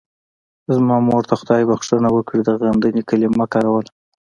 زما مور ته خدای بښنه وکړي د غندنې کلمه کاروله.